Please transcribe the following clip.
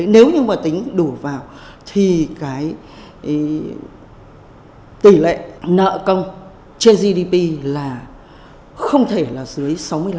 nếu như tính đủ vào thì tỷ lệ nợ công trên gdp là không thể dưới sáu mươi năm